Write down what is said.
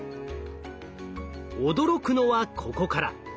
驚くのはここから。